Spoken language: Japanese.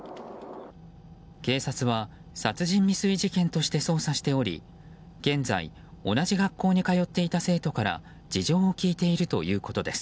警察は殺人未遂事件として捜査しており現在、同じ学校に通っていた生徒から事情を聴いているということです。